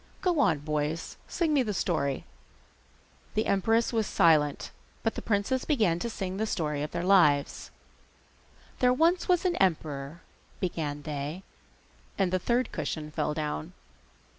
Go on, boys, sing me the story.' The empress was silent, but the princes began to sing the story of their lives. 'There was once an emperor,' began they, and the third cushion fell down.